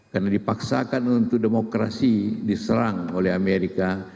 karena dipaksakan untuk demokrasi diserang oleh amerika